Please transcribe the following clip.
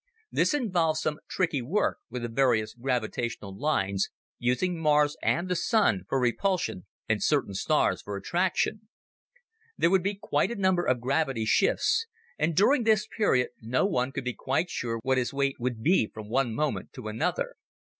This involved some tricky work with the various gravitational lines, using Mars and the Sun for repulsion and certain stars for attraction. There were quite a number of gravity shifts, and during this period no one could be quite sure what his weight would be from one moment to another.